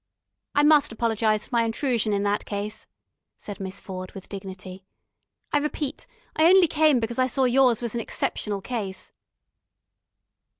"I must apologise for my intrusion, in that case," said Miss Ford, with dignity. "I repeat, I only came because I saw yours was an exceptional case."